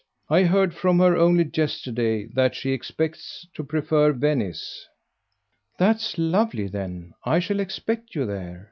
I heard from her only yesterday that she expects to prefer Venice." "That's lovely then. I shall expect you there.